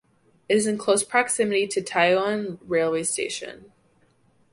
It is in close proximity to Taoyuan railway station.